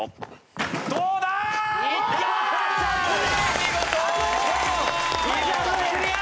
見事クリア！